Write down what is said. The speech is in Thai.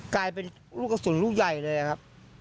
กลายเป็นลูกกระสุนลูกใหญ่เลยครับ